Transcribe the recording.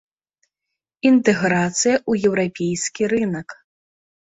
Інтэграцыя ў еўрапейскі рынак.